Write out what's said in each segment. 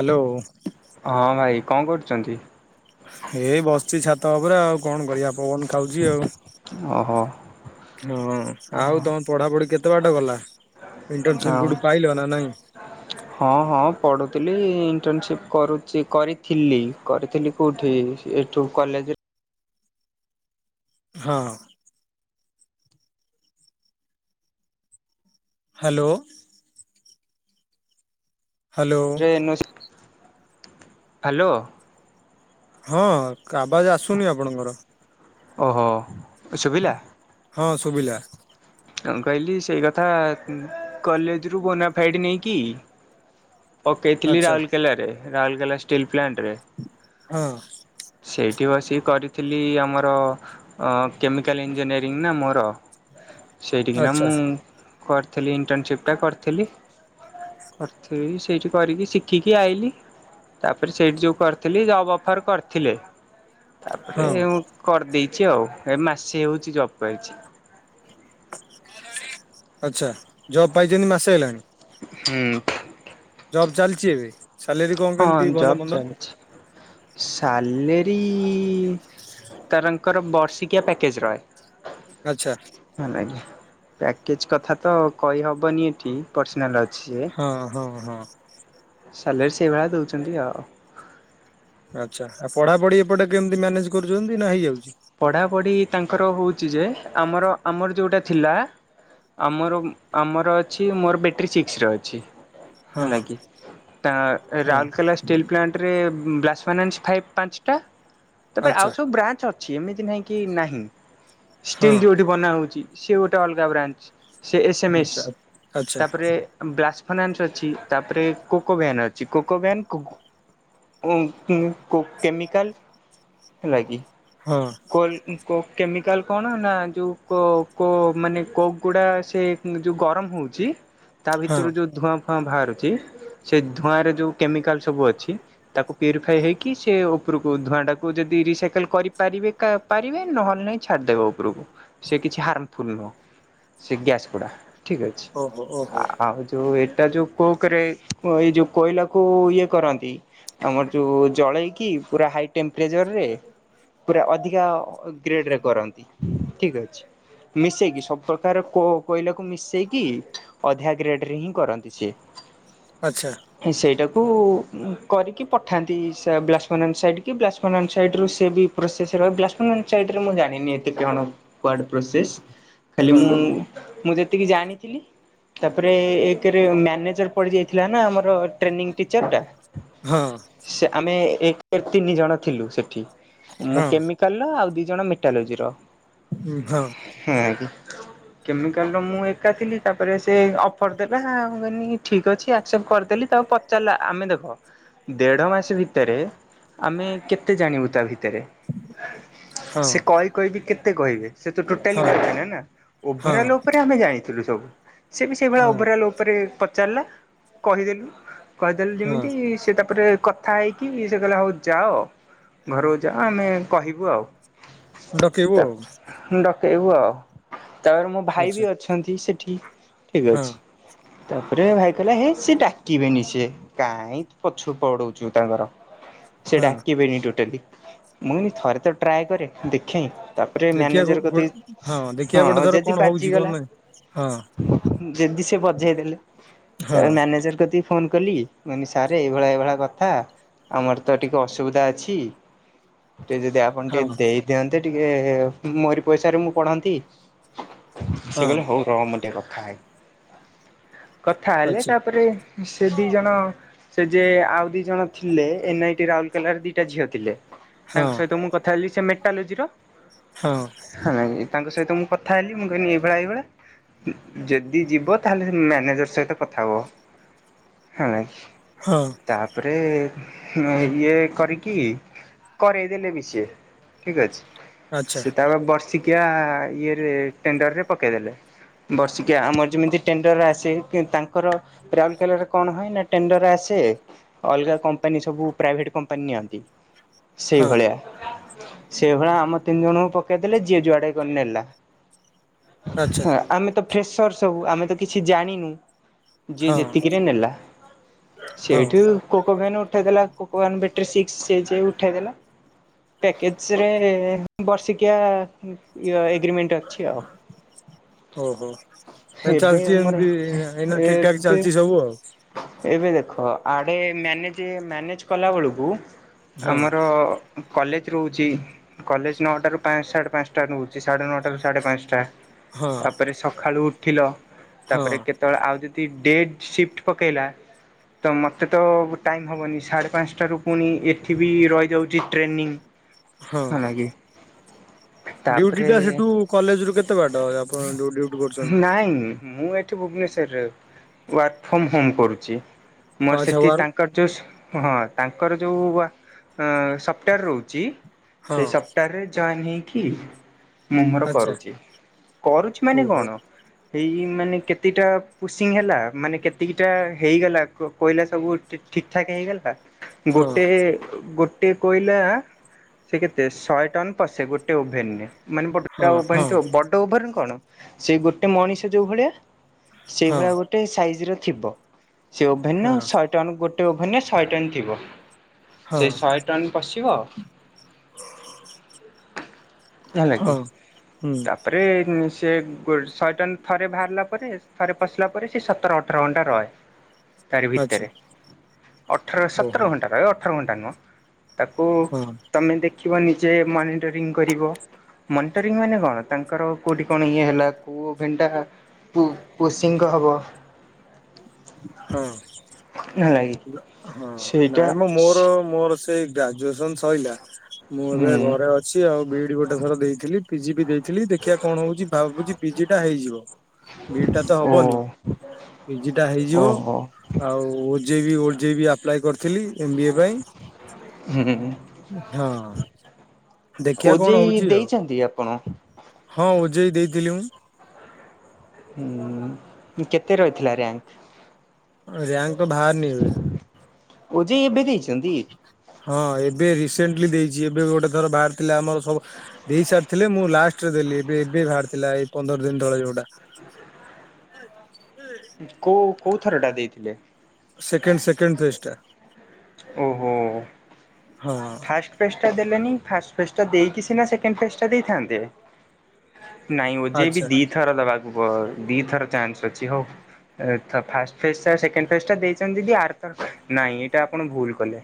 Hello. ହଁ ଭାଇ କଣ କରୁଛନ୍ତି? ଏଇ ବସଚି ଛାତ ଉପରେ ଆଉ କଣ କରିବା ପବନ ଖାଉଛି ଆଉ। ଓହୋ। ହଁ ଆଉ ତମ ପଢାପଢି କେତେ ବାଟ ଗଲା ଇଣ୍ଟର୍ନସିପ ଆଉ କୋଉଠୁ ପାଇଲ ନା ନାଇଁ? ହଁ ହଁ ପଢୁଥିଲି ଇଣ୍ଟର୍ନସିପ କରୁଚି କରିଥିଲି କରିଥିଲି କଉଠେ ସିଏ ଏଠୁ କଲେଜ ହଁ। ହାଲୋ। ହ୍ୟାଲୋ ଟ୍ରେନ ଅଛି ହାଲୋ। ହଁ କାବାଜ ଆସୁନି ଆପଣଙ୍କର। ଓହୋ ସୁଭିଲା? ହଁ ଶୁଭିଲା। କନ କହିଲି ସେଇ କଥା କଲେଜରୁ ବୋନା ଫାଇଟ୍ ନେଇକି ପକେଇ ଥିଲି ଆଚ୍ଛା ରାଉରକେଲା ରେ ରାଉରକେଲା ଷ୍ଟିଲ୍ ପ୍ଲାଣ୍ଟରେ। ହଁ ସେଇଠି ବସିକି କରିଥିଲି ଆମର କେମିକାଲ୍ ଇଞ୍ଜିନିୟରିଂ ନା ମୋର ସେଇଠିକିନା ଆଚ୍ଛା ମୁଁ କରିଥିଲି ଇଣ୍ଟର୍ନସିପ୍ଟା କରିଥିଲି। କରିଥିଲି ସେଇଠି କରିକି ଶିଖିକି ଆଇଲିି। ତାପରେ ସେଇଠି ଯେଉଁ କରିଥିଲି ଜବ୍ ଅଫର୍ କରିଥିଲେ। ତାପରେ ହଁ କରିଦେଇଛି ଆଉ ଏ ମାସେ ହେଉଛି ଜବ୍ ପାଇଚି। ଆଛା ଜବ ପାଇଛନ୍ତି ମାସେ ହେଲାଣି। ହୁଁ ଜବ୍ ଚାଲିଛି ଏବେ ସାଲେରୀ କଣ ହଁ କେମିତି ଭଲ ଜବ୍ ମନ୍ଦ ଚାଲିଛି ସାଲେରୀ ତାରଙ୍କର ବର୍ଷିକିଆ ପ୍ୟାକେଜ୍ ରହେ। ଆଛା ହ ଆଜ୍ଞା ପ୍ୟାକେଜ କଥା ତ କହିହେବନି ଏଠି ପର୍ସନାଲ୍ ଅଛି ସିଏ ହଁ ହଁ ହଁ। ସାଲେରି ସେଇଭଳିଆ ଦେଉଛନ୍ତି ଆଉ। ଆଚ୍ଛା ଆଉ ପଢାପଢି ଏପଟେ କେମିତି ମ୍ୟାନେଜ୍ କରୁଛନ୍ତି ନା ହେଇଯାଉଛି ପଢ଼ାପଢ଼ି ତାଙ୍କର ହେଉଛି ଯେ ଆମର ଆମର ଯେଉଁଟା ଥିଲା ଆମର ଆମର ଅଛି ମୋର ବ୍ୟାଟେରୀ ସିକ୍ସର ଅଛି। ହଁ ହେଲା କିି ତା ହଁ ରାଉରକେଲା ଷ୍ଟିଲ୍ ପ୍ଲାଣ୍ଟ ରେ ବ୍ଲାସ ଫାଇନାସ ପାଞ୍ଚଟା ତାପରେ ଆଉ ଆଚ୍ଛା ସବୁ ବ୍ରାଞ୍ଚ ଅ ସେମିତି ନାହିଁ କି ନାହିଁ ହଁ ଷ୍ଟିଲ୍ ଯୋଉଠି ବନା ହଉଛି ସେ ଗୋଟେ ଅଲଗା ବ୍ରାଞ୍ଚ। ସେ ଏସମଏସ୍ ଆଚ୍ଛା ଆଚ୍ଛା। ତାପରେ ବ୍ଲାସ ଫନାନ୍ସ ଅଛି ତାପରେ କୋକୋ ଭାନ ଅଛି କୋକୋ ଭ୍ୟାନ କୋ [unintelligible] କେମିକାଲ ଲାଗି। ହଁ। କ ଇ କୋ କେମିକାଲ୍ କଣ ନା ଯେଉଁ ମାନେ କୋକ୍ କୋ ଗୁଡ଼ା ସେ ଯେଉଁ ଗରମ ହେଉଛି ତା ହଁ ଭିତରୁ ଯେଉଁ ଧୂଆଁ ଫୁଆଁ ବାହାରୁଛି। ସେ ଧୂଆଁରେ ଯୋଉ କେମିକାଲ ସବୁ ଅଛି। ତାକୁ ପ୍ୟୁରିଫାଇ ହେଇକି ସେ ଉପରକୁ ଧୂଆଁ ଟାକୁ ଯଦି ରିସାଇକଲ କରିପାରିବେ ପାରିବେ ନହେଲେ ନହିଁ ଛାଡିଦବା ଉପରକୁ ସେ କିଛି ହାର୍ମଫୁଲ ନୁହଁ। ସେ ଗ୍ୟାସ ଗୁଡା ଠିକ ଅଛି। ଓହୋ ଓହୋ ଆଉ ଯୋଉ ଏଇଟା ଯୋଉ କୋ କରେ ଏଇ ଯୋଉ କୋଇଲାକୁ ଇଏ କରନ୍ତି। ଆମର ଯୋଉ ଜଳେଇକି ପୁରା ହାଇ ଟେମ୍ପରେଚର ରେ ପୁରା ଅଧିକ କା ଗ୍ରେଡରେ କରନ୍ତି ଠିକ ଅଛି। ମିଶେଇକି ସବୁ ପ୍ରକାର କୋ କଇଲାକୁ ମିଶେଇକି। ଅଧା ଗ୍ରେଡ଼ରେ ହିଁ କରନ୍ତି ସିଏ। ଆଚ୍ଛା। ସେଇଟାକୁ କରିକି ଉଁ ପଠାନ୍ତି ସା ବ୍ଲାସପନା ସାଇଡ କି ବ୍ଲାସ ଅନନ୍ ସାଇଟରୁ ସେ ବି ପ୍ରୋସେସ ସେ ଭ ବ୍ଲାଶ ପାନେ ସାଇଟ୍ରେ ମୁଁ ଜାଣିନି ଏତେ କଣ କୁଆଡ଼ ପ୍ରୋସେସ୍? ଖାଲି ହଁ ମୁଁ ମୁଁ ଯେତିକି ଜାଣିଥିଲି ତାପରେ ଏକରେ ମ୍ୟାନେଜର ପଡି ଯାଇଥିଲା ନା ଆମର ଟ୍ରେନିଂ ଟିଚର ଟା ହଁ ସେ ଆମେ ଏକ ତିନି ଜଣ ଥିଲୁ ସେଠି। ମୁଁ ହଁ କେମିକାଲର ଆଉ ଦି ଜଣ ମେଟାଲୋଜିର। ହୁଁ ହଁ। ହଁ କି? କେମିକାଲ ମୁଁ ଏକା ଥିଲି ତାପରେ ସେ ଅଫର ଦେଲା ମୁଁ କନି ଠିକ ଅଛି ଆକ୍ସେପ୍ଟ କରିଦେଲି। ତାକୁ ପଚାରିଲା ଆମେ ଦେଖ ଦେଢ଼ ମାସ ଭିତରେ ଆମେ କେତେ ଜାଣିବୁ ତା ଭିତରେ? ହଁ ସେ କହି କହିବି କେତେ କହିବେ? ସେ ତ ଟୋଟାଲି ହଁ କହିବେ ନେଇ ନା ହଁ ଓଭରଲ୍ ଉପରେ ଆମେ ଜାଣିଥିଲୁ ସବୁ, ସେ ବି ସେଇଭଳିଆ ହଁ ଓଭରଲ୍ ତା ପରେ ପଚାରିଲା କହିଦେଲୁ କହିଦେଲୁ ହଁ ଯେମିତି ସେ ତାପରେ କ ଥାଇକି ସେ କହିଲେ ହଉ ଯାଅ ଘରକୁ ଯାଅ ଆମେ କହିବୁ ଆଉ। ଡକେଇବୁ ଆଉ ତାପରେ ଡକେଇବୁ ଆଉ ତାପରେ ମୋ ଭାଇ ଆଚ୍ଛା ବି ଅଛ ଅନ୍ତି ସେଠି, ଠିକ ହଁ ଅଛି। ତାପରେ ଭାଇ କହିଲା ହେ ସିଏ ଡାକିବେନି ସିଏ କାହିଁ ପଛୁ ପଡଉଛୁ ତାଙ୍କର। ସେ ହଁ ଡାକିବେନି ଟୋଟାଲି ମୁଁନି ଥରେ ତ ଟ୍ରାଏ କରେ ଦେଖେ। ତାପରେ ଦେଖିବା ଗୋ ମ୍ୟାନେଜର ଗୋ କତି ଦେଖିବା ହଁ ଗୋଟେ ଥର ଯଦି କଣ ହଉଛି କଣ ବାଜିଗଲା। ନାହିଁ। ହଁ। ଯଦି ସେ ବଜେଇ ଦେଲେ ହଁ ତାପରେ ମ୍ୟାନେଜର କତି ଫୋନ କଲି ମୁକନି ସାର୍ ଏଇଭଳିଆ ଏଇଭଳିଆ କଥା ଆମର ତ ଟିକେ ଅସୁବିଧା ଅଛି। ଟିକେ ଯଦି ଆପଣ ଟିକେ ହଁ ଦେଇଦିଅନ୍ତେ ଟିକେ ମୋରି ପଇସା ମୁଁ ପଢନ୍ତି। ସେ ହଁ କହିଲେ ହଉ ର ମୁ ଟିକେ କଥା ହେବି। କଥା ହେଲେ ଆଚ୍ଛା ତାପରେ ସେ ଦି ଜଣ ସେ ଯେ ଆଉ ଦି ଜଣ ଥିଲେ ଏନ୍ ଆଇ ଟି ରାଉରକେଲାର ଦିଟା ଝିଅ ଥିଲେ ହଁ ତାଙ୍କ ସହିତ ମୁଁ କଥା ହେଲିି ସେ ମେଟାଲୋଜିର। ହଁ। ହଁ ଇ ତାଙ୍କ ସହିତ ମୁଁ କଥା ହେଲି ମୁଁ କହିଲି ଏଇଭଳିଆ ଏଇଭଳିଆ। ଯଦି ଯିବ ତାହେଲେ ମ୍ୟାନେଜର ସହିତ କଥା ହୁଅ, ହୈ। ହଁ। ତାପରେ ମୁଁ ଇଏ କରିକି କରେଇ ଦେଲେ ବି ସେଏ ଠିକ ଅଛି। ଆଚ୍ଛା ସେ ତାପରେ ବର୍ଷିକ କିଆ ୟେରେ ଟେଣ୍ଡରରେ ପକେଇଦେଲେ? ବର୍ଷିକିଆ ଆମର ଯେମିତି ଟେଣ୍ଡର ଆସେ କି ତାଙ୍କର ରାଉଲକେଲାରେ କଣ ହୁଏ ନା ଆସେ ଅଲଗା କମ୍ପାନୀ ସବୁ ପ୍ରାଇଭେଟ କମ୍ପାନୀ ନିଅନ୍ତି। ହଁ ସେଇଭଳିଆ ସେଇଭଳା ଆମ ତିନି ଜଣଙ୍କୁ ପକେଇଦେଲେ ଯିଏ ଯୁଆଡେ କରିନେଲା। ଆଚ୍ଛା ହଁ ଆମେ ତ ଫ୍ରେସର ସବୁ ଆମେ ତ କିଛି ଜାଣିନୁ ଯିଏ ହଁ ଯେତିକିରେ ନେଲା ହଁ ସେଇଠୁ କୋକୋଭେନ ଉଠେଇଦେଲା କୋକୋଭେନ୍ ବେଟ୍ରୀ ସିକ୍ସ ହେଇଚି ଉଠେଦେଲା ପ୍ୟାକେଜରେ ବର୍ଷିକିଆ ଇ ଏଗ୍ରିମେଣ୍ଟ ଅଛି ଆଉ। ଓହୋ ଏ ଏବେ ଚାଲିଚି ଆମର ଏମତି ଏଇନା ଠିକ ଠାକ ଏବେ ଚାଲିଚି ସବୁ ଆଉ। ଏବେ ଦେଖ ଆଡେ ମ୍ୟନେଜ ମ୍ୟାନେଜ କଲା ବେଳକୁ ହଁ ଆମର କଲେଚ ରହୁଚି କଲେଜ ନଅଟ ରୁ ପା ସାଢେ ପାସ୍ ତା ନୋଉଚି ସାଢେ ନଅଟ ରୁ ସାଢେ ପାଞ୍ଚଟା ହଁ ତାପରେ ସକାଳୁ ଉଠିଲ ହଁ ତାପରେ କେ ତ ଆଉ ଯଦି ଡେଟ୍ ସିଫ୍ଟ ପକେଇଲା ତ ମୋତେ ତ ଟାଇମ ହବନି ସାଢ଼େ ପାଞ୍ଚଟାରୁ ପୁଣି ଏଠି ବି ରହିଯାଉଚି ଟ୍ରେନିଂ। ହାଲାଗି ଡିଉଟି ଟା ସେଠୁ କଲେଜ ରୁ କେତେ ବାଟ? ଆପଣ [unintelligible] ନାଇଁ ମୁଁ ଏଠି ଭୁବନେଶ୍ୱର ୱାର୍କ ଫ୍ରମ ହୋମ କରୁଚି। ଓ ମୋର ଆଚ୍ଛା ସେଠି ୱାର ତାଙ୍କ କଚୋସ ହିଁ ତାଙ୍କର ଯୋଉ ଉଆ ଅ ତାଙ୍କର ସଫ୍ଟାର ରହୁଚି ହଁ ସେଇ ସପ୍ତାହରେ ଜଏନ ହେଇକି ମୁଁ ମୋର ଆଚ୍ଛା କରୁଚି କରୁଚି ନେ ଓହୋ କଣ ଏଇ ମାନେ କେତଟା ପୁସିଂ ହେଲା ମାନେ କେତିକିଟା ହେଇଗଲା କୋ କୋଇଲା ସବୁ ଠିକ୍ ଠାକ ହେଇଗଲା ହଁ ଗୋଟେ ଗୋ ଟେ କୋଇଲା ସେ କେତେ ଶଏ ଟନ ପଶେ ଗୋଟେ ଓଭେରେ। ମାନେ ବଡଟା ହଁ ଓଭେନ୍ ହଁ ଠୁ ବଡ ଓଭେନ କଣ ସେଇ ଗୋଟେ ମଣିଷ ଯୋଉ ଭଳିଆ ହଁ ସେଇଭଳିଆ ଗୋଟେ ସାଇଜ ର ଥିବ ସେ ଓଭେନ ହଁ ସ ଟନ୍ ଗୋଟେ ଓଭେନ୍ ଶହେ ଟନ ଥିବ ହଁ ସେ ଶହେ ଟନ ପଶିବ ହେଲା କିି। ହଁ ହୁଁ ତାପରେ ଚେ ଗୋ ଶହେ ଟନ ଥରେ ଭାହାରିଲା ପରେ ଥରେ ପଶିଲା ପରେ ସେ ସତର ଅଠର ଘଣ୍ଟା ରଏ। ତାରି ଆଚ୍ଛା ଭିତରେ ଅଠର ଓହୋ ସତର ଘଣ୍ଟା ରହ ଅଠର ଘଣ୍ଟା ନୁହଁ। ତାକୁ ହଁ ତମେ ଦେ ଖିବ ନିଜେ ମନିଟରିଙ୍ଗ୍ କରିବ ମନିଟରିଙ୍ଗ ମାନେ କଣ ତାଙ୍କର କଉଠି କଣ ଇଏ ହେଲା କୂ ଓଭେନଟା ପୁ ପୁସୀଙ୍କ ହବ ହଁ। ହେଲା କିି ହଁ ସେଇଟା ନାଇଁ ମୋ ମୋର ମୋର ସେଇ ଗ୍ରାଜୁଏସନ ସଇଲା ମୁଁ ଏବେ ହୁଁ ଘରେ ଅ ଛି ଆଉ ବି ଇ ଡି ଗୋଟେ ଥର ଦେଇଥିଲି ପି ଜି ବି ଦେଇଥିଲି ଦେଖିଆ କଣ ହଉଚି ଭାବୁଚି ପି ଜି ଟା ହେଇଯିବ। ବି ଇ ଡି ଟା ତ ହବନି ଓ ପି ଜି ଟା ହେଇଯିବ ଓହୋ ଆଉ ଓ ଜେଇ ବି ଓ ଜେ ଇ ବିି ଆପ୍ଲାଏ କରିଥିଲି ଏମ୍ ବିଏ ପାଇଁ। ହୁଁ। ହଁ ଦେଖିବା କଣ ଓଜେଇ ହଉଚି ଆଉ। ଦେଇଛନ୍ତି ଆପଣ? ହଁ ଓଜେଇ ଦେଇଥିଲି ମୁଁ। ହୁଁ କେତେ ରହିଥିଲା ରେଆଙ୍କ? ରିୟାଙ୍କ ବାହାରିନି ଏବେ। ଓ ଯୋ ଇ ଏବେ ଦେଇଚନ୍ତି? ହଁ ଏବେ ରିସେଣ୍ଟଲି ଦେଇଚି ଏବେ ଗୋଟେ ଥର ବାହାର ଥିଲା ଆମର ସବୁ ଦେଇ ସାରିଥିଲେ ମୁଁ ଲାଷ୍ଟରେ ଦେଲି ଏବେ ଏବେ ବାହାରି ଥିଲା ଏଇ ପନ୍ଦର ଦିନ ତଳେ ଯୋଉଟା। କୋଉ କୋଉ ଥର ଟା ଦେଇଥିଲେ? ସେକେଣ୍ଡ ସେକେଣ୍ଡ ଫେଜ୍ ଟା। ଓହୋ ହଁ ଫାଷ୍ଟ ଟା ଦେଲେନି ଫାଷ୍ଟ୍ ଫେଜ ଟା ଦେଇକି ସେକଣ୍ଡ ଫେଜ ଟା ଦେଇଥାନ୍ତେ। ନାଇଁ ଓଜେଇ ବି ଆଚ୍ଛା ଦିଥର ଦବାକୁ ଦିଥର ଚାନ୍ସ ଅଛି ହଉ। ଫାଷ୍ଟ ଫେଜ୍ ଟା ସେକେଣ୍ଡ ଫେଜ୍ ଟା ଦେଇଚନ୍ତି ଯଦି ଆଥର ନାଇଁ ଏଇଟା ଆପଣ ଭୁଲ୍ କଲେ।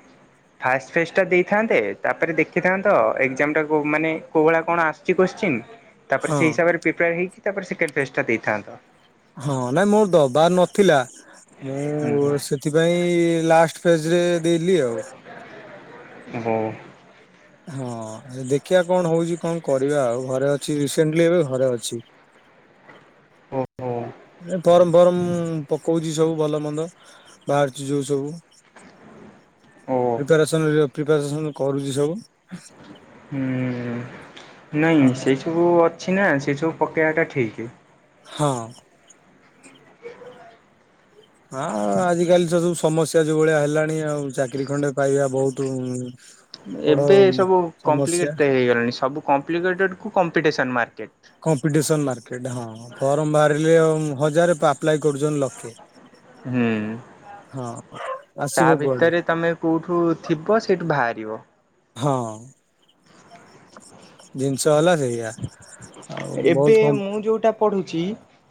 ଫାଷ୍ଟ ଫେଜ୍ ଟା ଦେଇଥାନ୍ତେ ତାପରେ ଦେଖିଥାନ୍ତ ଏକ୍ଜାମ ଟା ମାନେ କୋଉ ଭଳିଆ କଣ ଆସ କୋସ୍ ଚୀନ୍ ତାପରେ ହଁ ସେଇ ହିସାବରେ ପ୍ରିପେୟାର ହେଇକି ତା ସେକଣ୍ଡ ଫେଜ୍ ଟା ଦେଇଥାନ୍ତ। ହଁ ନାଇଁ ମୋର ଦବାର ନଥିଲା ମୁଁ ହୁଁ ସେ ସେଥିପାଇଁ ଲାଷ୍ଟ ଫେଜରେ ଦେଲି ଆଉ। ହଉ। ହଁ ଦେଖିବା କଣ ହଉଛି କଣ କରିବା ଆଉ ଘରେ ଅଛି ରିସେଣ୍ଟଲି ଏବେ ଘରେ ଅଛି। ଓହୋ ଫର୍ମ ଫର୍ମ ପକଉଛି ସବୁ ଭଲ ମନ୍ଦ ବାହାରୁଛି ଯୋଉ ସବୁ। ଓ ପ୍ରିପାରେସନ ପ୍ରିପାରେସନ କରୁଛି ସବୁ। ହୁଁ ନାଇଁ ଆଉ ସେଇ ସବୁ ଅଛି ନା ସେ ସବୁ ପକେଇବା ଟା ଠିକ୍। ହଁ। [inaudible] ହଁ ଆଜିକାଲି ତ ସବୁ ସମସ୍ୟା ଯୋଉ ଭଳିଆ ହେଲାଣି ଆଉ ଚାକିରି ଖଣ୍ଡେ ପାଇବା ବହୁତ ଉଁ ଏବେ ସବୁ କମ୍ପ୍ଲିକେଟ ତ ହେଇଗଲାଣି ସବୁ କମ୍ପଲିକେଟଟ୍ କୁ କମ୍ପିଟେଶନ ମାର୍କେଟ୍। କମ୍ପିଟିସନ ମାର୍କେଟ ହଁ ଫର୍ମ ବାହାରିଲେ ହଜାର ଆପ୍ଲାଏ କରୁଚନ୍ତି ଲକ୍ଷେ। ହୁଁ। ହଁ। ତା ଆସିବ କୁଆଡୁ ଭିତରେ ତୁମେ କୋଉଠୁ ଥିବ ତମେ ସେଇଠୁ ବାହାରିବ। ହଁ। ଜିନିଷ ହେଲା ସେୟା। ଏବେ ମୁଁ ଯୋଉଟା ପଢୁଛି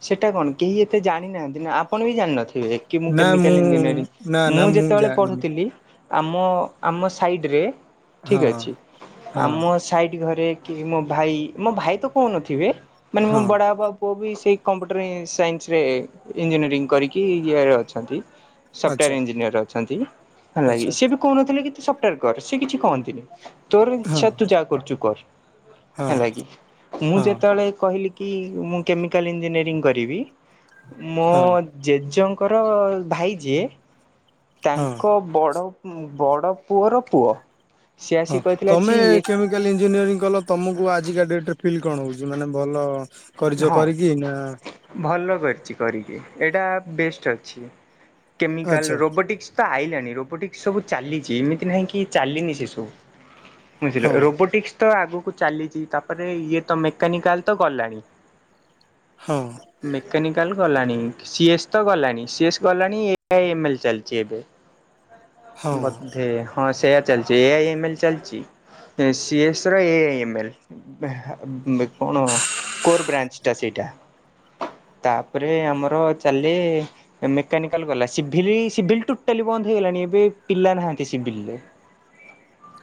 ସେଟା କଣ କେହି ଏତେ ଜାଣିନାହାନ୍ତି ନା ଆପଣ ବି ଜାଣିନଥିବେ? କି ମୁଁ କେମିକାଲ ଇଞ୍ଜିନିୟରିଂ ନା ନା ମୁଁ ଯେତେବେଳେ ଜାଣିନି ପଢୁଥିଲି। ଆମ ଆମ ସାଇଡ ରେ ହଁ ଠିକ୍ ଅଛି ହଁ ଆମ ସାଇଡ୍ ଘରେ କି ମୋ ଭାଇ ମୋ ଭାଇ ତ କହୁନଥିବେ ମାନେ ମୋ ହଁ ବଡବାପା ପ ପୁଅ ବି ସେଇ କମ୍ପ୍ୟୁଟର ସାଇନ୍ସ ରେ ଇଞ୍ଜିନିୟରିଂ କରିକି ଇଏରେ ଅଛନ୍ତି। ସଫ୍ଟୱେର ଆଚ୍ଛା ଇଞ୍ଜିନିୟର ଅଛନ୍ତି ହେଲାକି ଆଚ୍ଛା ସେ ବି କହୁନଥିଲେ କି ତୁ ସଫ୍ଟୱେର କର ସେ କିଛି କହନ୍ତିନି ତୋର ହଁ ଇଛା ତୁ ଯାହା କରୁଛୁ କର। ହଁ ହେଲାକି। ମୁଁ ହଁ ଯେତେବେଳେ କହିଲି କି ମୁଁ କେମିକାଲ ଇଞ୍ଜିନିୟରିଂ କରିବି ମୋ ହଁ ଜେଜେଙ୍କର ଭାଇ ଯିଏ ହଁ ତାଙ୍କ ବଡ଼ ବଡ ପୁଅର ପୁଅ। ସିଏ ହଁ ଆସି କହିଥିଲା ତମେ ଛି କେମିକାଲ ଇଞ୍ଜିନିୟରିଂ କଲ ତମକୁ ଆଜିକା ଡେଟରେ ଫିଲ୍ କଣ ହଉଛି ମାନେ ଭଲ କରିଛ ହଁ କରିକି ନା? ଭଲ କରିଛି କରିକି ଏଇଟା ବେଷ୍ଟ ଅଛି ଆଚ୍ଛା କେମିକାଲ ରୋବୋଟିକ୍ସ ତ ଆଇଲାଣି ରୋବୋଟିକ୍ ସବୁ ଚାଲିଛି ଏମିତି ନାହିଁ କି ଚାଲିନି ସେ ସବୁ। ବୁଝିଲ ହଁ ରୋବୋଟିକ୍ସ ତ ଆଗକୁ ଚାଲିଛି ତାପରେ ଇଏ ତ ମେକାନିକାଲ ତ ଗଲାଣି। ହଁ। ମେକାନିକାଲ ଗଲାଣି ସି ଏସ୍ ତ ଗଲାଣି ସି ଏସ୍ ଗଲାଣି ଏ ଆଇ ଏମ ଏଲ ଚାଲିଛି ଏବେ। ହଁ ବଧେ ହଁ ସେୟା ଚାଲିଛି ଏଆଇ ଏମ ଏଲ ଚାଲିଛି। ତ ସିଏ ସ ର ଏ ଏମେଲ କଣ? କୋର ବ୍ରାଞ୍ଚଟା ସେଇଟା ତାପରେ ଆମର ଚାଲେ ମେକାନିକାଲ ଗଲା ସିଭିଲି ସିଭିଲ ଟୋଟାଲି ବନ୍ଦ ହେଇଗଲାଣି ଏବେ ପିଲା ନାହାନ୍ତି ସିଭିଲରେ।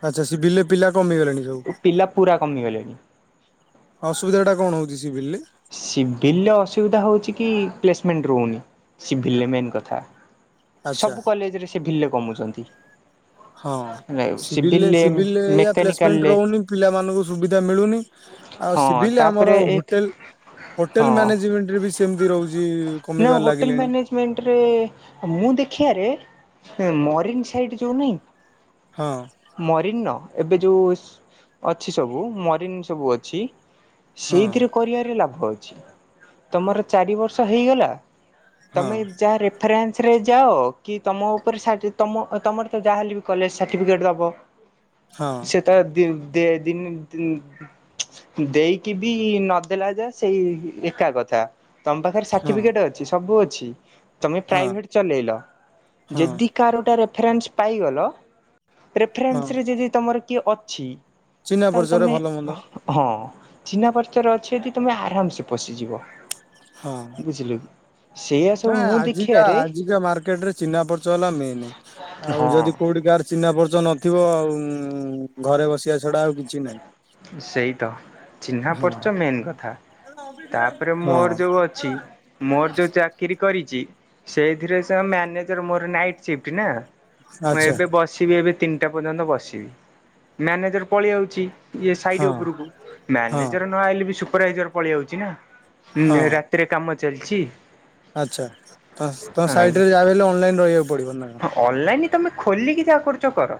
ଆଚ୍ଛା ସିଭିଲରେ ପିଲା କମିଗଲେଣି ସବୁ? ପିଲା ପୁରା କମିଗଲେଣି। ଅସୁିଧାଟା କଣ ହଉଛି ସିଭିଲରେ? ସିଭିଲରେ ଅସୁବିଧା ହେଉଛି କି ପ୍ଲେସମେଣ୍ଟ ରହୁନି ସିଭିଲରେ ମେନ୍ କଥା। ଆଚ୍ଛା ସବୁ କଲେଜରେ ସିଭିଲରେ କମୁଛନ୍ତି। ହଁ ସିଭିଲ ସିଭିଲରେ ସିଭିଲରେ ପ୍ଲେସମେଣ୍ଟ ମେକାନିକାଲରେ ରହୁନି ପିଲାମାନଙ୍କୁ ସୁବିଧା ମିଳୁନି। ଆଉ ହଁ ସିଭିଲ ଆମର ତାପରେ ଏକ ହୋଟେଲ ହଁ ହୋଟେଲ ମ୍ୟାନେଜମେଣ୍ଟରେ ବି ସେମତି ରହୁଛି। ନା କମିବାରେ ହୋଟେଲ ଲାଗିଲେଣି ମ୍ୟାନେଜ ମେଣ୍ଟରେ ମୁଁ ଦେଖିଆରେ ସେ ଯୋଉ ମରିନ ସାଇଟ୍ ଯୋଉ ନାଇଁ। ହଁ। ମରିନର ଏବେ ଯୋଉ ଅଛି ସବୁ ମରିନ ସବୁ ଅଛି। ହଁ ସେଇଥିରେ କରିବାରେ ଲାଭ ଅଛି ତମର ଚାରି ବର୍ଷ ହେଇଗଲା। ହଁ ତମେ ଯାହା ରେ ରେଫରେନ୍ସରେ ଯାଅ କି ତମ ଉପରେ ତମ ତମର ତ ଯାହାହେଲେ ବି କଲେଜ ସାର୍ଟିଫିକେଟ୍ ଦେଲବ। ହଁ ସେ ତାର ଦେ ଦ ଦିନ ଦେଇକି ବି ନଦେଲା ଯା ସେଇ ଏକା କଥା ତମ ପାଖରେ ସା ହଁ ଠିକ୍ ଅଛି ସବୁ ଅଛି ତମେ ହଁ ପ୍ରାଇଭେଟ୍ ଚଲେଇଲ ହଁ ଯଦି କାର ଗୋଟା ରେଫରେନ୍ସ ପାଇଗଲ ହଁ ରେଫରେନ୍ସରେ ଯଦି ତମର କିଏ ଅଛି। ଚିହ୍ନା ତାହେଲେ ପରିଚୟରେ ତମେ ଭଲ ମନ୍ଦ ହଁ ଚିହ୍ନା ପରିଚରେ ଅଛି ଯଦି ତମେ ଆରାମସେ ପଶିଯିବ। ହଁ। ବୁଝିଲ କି? ସେଇଆ ସବୁ ନା ମୁଁ ଆଜିକା ଦେଖିବାରେ ଆଜିକା ମାର୍କେଟରେ ଚିହ୍ନା ପର୍ଚ ହେଲା ମେନ ଆଉ ହଁ ଯଦି କୋଉଠି କାର ଚିହ୍ନା ପର୍ଚ ନଥିବ ଆଉ ଘରେ ବସିବା ଛଡା ଆଉ କିଛି ନାହିଁ। ସେଇ ତ। ଚିହ୍ନା ହଁ ପରିଛ ମେନ୍ କଥା ତାପରେ ମୋର ହଁ ଯୋଉ ଅଛି ମୋର ଯୋଉ ଚାର ଚାକିରି କରିଚି ସେଇଥିରେ ମ୍ୟାନେଜର ମୋର ନାଇଟ ସିଫ୍ଟ ନା। ମୁଁ ଆଚ୍ଛା ଏବେ ବସିବି ଏବେ ତିନିଟା ପର୍ଯ୍ୟନ୍ତ ବସିବି ମ୍ୟାନେଜର ପଳେଇ ଆଉଛି। ଇଏ ସାଇଡ ହଁ ଉପରକୁ ହଁ ମ୍ୟାନେଜର ନ ଆଇଲେ ବି ସୁପରଭାଇଜର ପଳେଇ ଆଉଛି ନା। ହଁ ରାତିରେ କାମ ଚାଲଛି। ଆଚ୍ଛା ତମ ସାଇଟରେ ଯାହାବି ହେଲେ ଅନଲାଇନ ରହିବାକୁ ପଡିବ ନା କଣ? ଅନଲାଇନ ତମେ ଖୋଲିକି ଯାହା କରୁଛ କର।